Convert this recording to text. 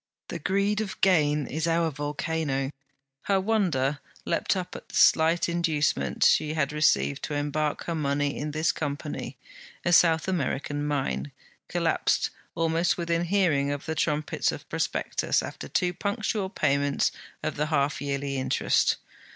The greed of gain is our volcano. Her wonder leapt up at the slight inducement she had received to embark her money in this Company: a South American mine, collapsed almost within hearing of the trumpets of prospectus, after two punctual payments of the half yearly interest.